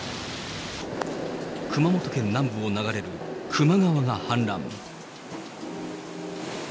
熊本県南部を流れる球磨川が氾濫。